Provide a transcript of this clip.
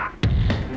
aku mau pergi